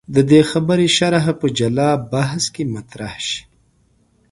د دې خبرې شرحه په جلا بحث کې مطرح شي.